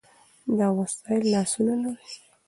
دا وسایل لاسونه لري.